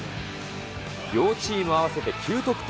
両チーム合わせて９得点。